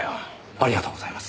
ありがとうございます。